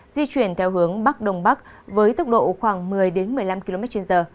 di chuyển theo hướng bắc đông bắc với tốc độ khoảng một mươi một mươi năm kmh